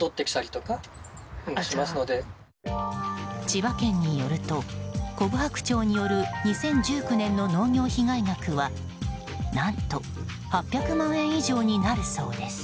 千葉県によるとコブハクチョウによる２０１９年の農作被害額は何と８００万円以上になるそうです。